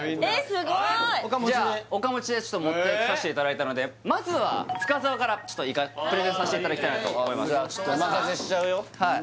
すごいおかもちでちょっと持ってこさせていただいたのでまずは深澤からちょっとプレゼンさせていただきたいなと思いますじゃお任せしちゃうよはい